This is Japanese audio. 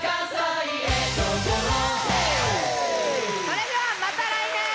それではまた来年！